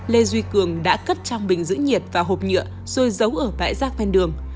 lê duy cường đã cất trong bình giữ nhiệt và hộp nhựa rồi giấu ở bãi giác bên đường